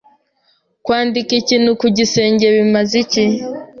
Kwandika ikintu ku gisenge bimaze iki?